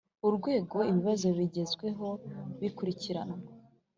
Urwego ibibazo bigezeho bikurikiranwa